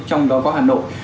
trong đó có hà nội